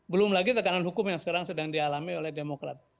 belum lagi tekanan hukum yang sekarang sedang dialami oleh demokrat